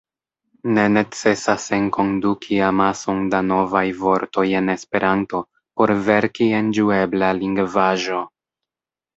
Ne necesas enkonduki amason da novaj vortoj en Esperanto por verki en ĝuebla lingvaĵo.